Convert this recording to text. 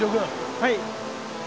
はい。